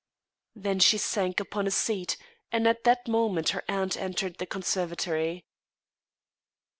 Then she sank upon a seat and at that moment her aunt entered the conservatory.